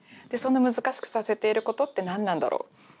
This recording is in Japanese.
その難しくさせていることって何なんだろう。